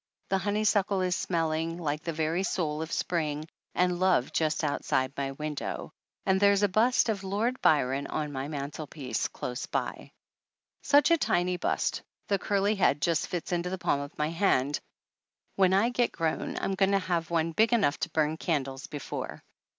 The honeysuckle is smelling like the very soul of spring and love just outside my window and there's a bust of Lord Byron on my mantelpiece 277 THE ANNALS OF ANN close by. Such a tiny bust the curly head just fits into the palm of my hand when I get grown I'm going to have one big enough to burn candles before!